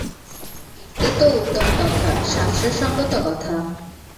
এ তো উত্তম কথা, শাস্ত্রসংগত কথা।